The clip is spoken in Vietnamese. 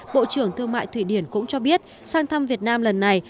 bộ trưởng thương mại thụy điển cũng cho biết sang thăm việt nam lần này